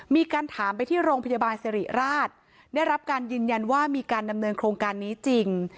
มีการถามไปที่โรงพยาบาลสิริราชได้รับการยืนยันว่ามีการดำเนินโครงการนี้จริง